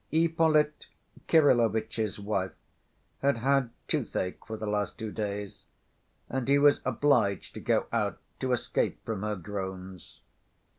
Ippolit Kirillovitch's wife had had toothache for the last two days, and he was obliged to go out to escape from her groans.